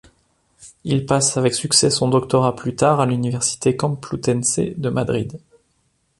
Il passe avec succès son doctorat plus tard à l'université complutense de Madrid.